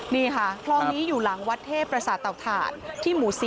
นี่ค่ะคลองนี้อยู่หลังวัดเทพประสาทเตาถ่านที่หมู่๔